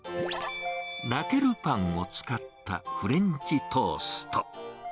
ラケルパンを使ったフレンチトースト。